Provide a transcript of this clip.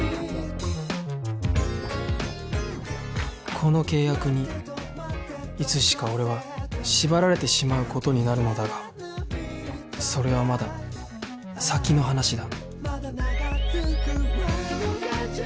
この契約にいつしか俺は縛られてしまう事になるのだがそれはまだ先の話だ